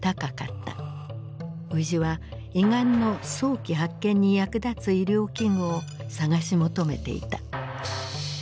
宇治は胃がんの早期発見に役立つ医療器具を探し求めていた。